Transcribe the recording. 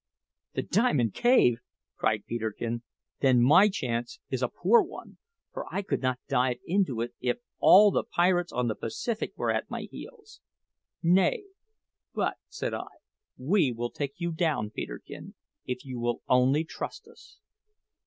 "The Diamond Cave!" cried Peterkin. "Then my chance is a poor one, for I could not dive into it if all the pirates on the Pacific were at my heels." "Nay, but," said I, "we will take you down, Peterkin, if you will only trust us."